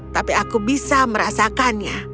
tapi aku bisa merasakannya